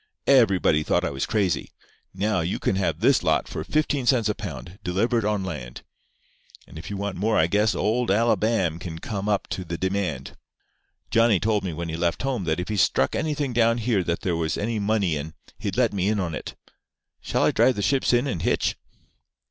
Everybody thought I was crazy. Now, you can have this lot for fifteen cents a pound, delivered on land. And if you want more I guess old Alabam' can come up to the demand. Johnny told me when he left home that if he struck anything down here that there was any money in he'd let me in on it. Shall I drive the ships in and hitch?"